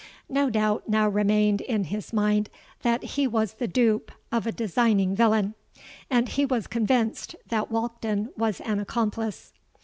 No doubt now remained in his mind that he was the dupe of a designing villain; and he was convinced that Walkden was an accomplice.